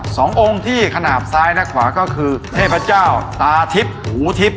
สององค์ที่ขนาดซ้ายและขวาก็คือเทพเจ้าตาทิพย์หูทิพย